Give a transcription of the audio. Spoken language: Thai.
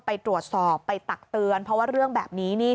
ไปตรวจสอบไปตักเตือนเพราะว่าเรื่องแบบนี้นี่